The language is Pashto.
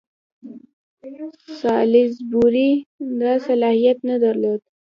سالیزبوري دا صلاحیت نه درلود.